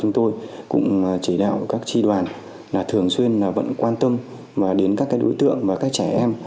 chúng tôi cũng chỉ đạo các tri đoàn là thường xuyên vẫn quan tâm đến các đối tượng các trẻ em